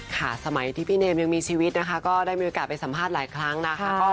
สมัยที่พี่เนมยังมีชีวิตนะคะก็ได้มีโอกาสไปสัมภาษณ์หลายครั้งนะคะ